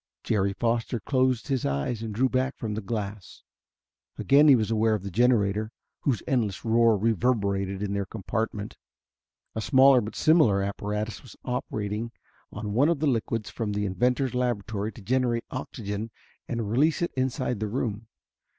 Jerry Foster closed his eyes and drew back from the glass. Again he was aware of the generator, whose endless roar reverberated in their compartment. A smaller but similar apparatus was operating on one of the liquids from the inventor's laboratory to generate oxygen and release it inside the room.